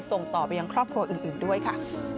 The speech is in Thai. ส่งต่อไปยังครอบครัวอื่นด้วยค่ะ